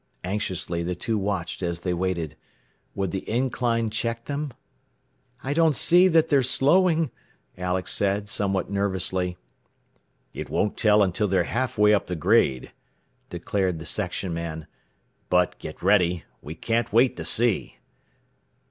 Anxiously the two watched as they waited. Would the incline check them? "I don't see that they're slowing," Alex said somewhat nervously. "It won't tell until they are half way up the grade," declared the section man. "But, get ready. We can't wait to see.